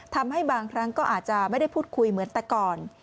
ทำให้บางครั้งก็อาจจะไม่ได้พูดคุยเหมือนแต่ก่อน